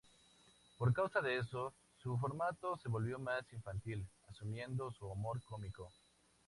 Por causa de eso, su formato se volvió más infantil, asumiendo su humor cómico.